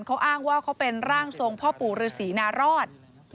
เขาอ้างว่าเขาเป็นร่างทรงพ่อปู่ฤษีนารอด